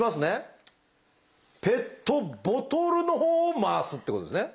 ペットボトルのほうを回すってことですね。